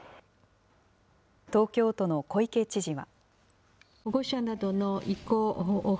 東京都の小池知事は。